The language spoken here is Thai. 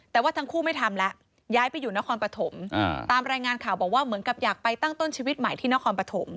แต่ว่าทั้งคู่ไม่ทำแล้วย้ายไปอยู่นครปฐมตามรายงานข่าวบอกว่าเหมือนกับอยากไปตั้งต้นชีวิตใหม่ที่นครปฐม